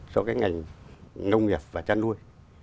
cho cái ngành nông nghiệp và chăn nuôi